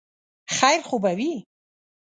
خیر خو به وي ؟